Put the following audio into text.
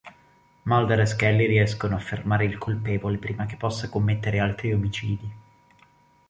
Mulder e Scully riescono a fermare il colpevole prima che possa commettere altri omicidi.